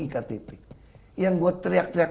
iktp yang gue teriak teriak